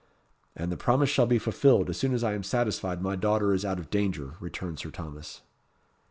"And the promise shall be fulfilled as soon as I am satisfied my daughter is out of danger," returned Sir Thomas.